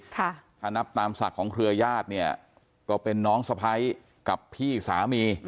ถ้านับตามศักดิ์ของเครือญาติเนี่ยก็เป็นน้องสะพ้ายกับพี่สามี